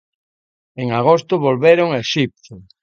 En agosto volveron a Exipto.